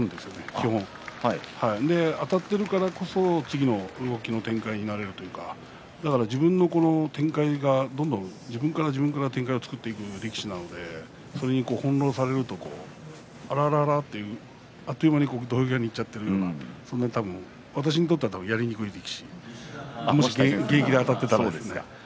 基本あたっているからこそ次の動きの展開になれるというかだから自分の展開がどんどん自分から自分から展開を作っていく力士なのでそれで翻弄されるとあらららという、あっという間に土俵際にいっちゃっている私にとっては多分やりにくい力士、もし現役であたっていたら。